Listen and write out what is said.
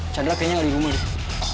chandra kayaknya ga ada di rumah dia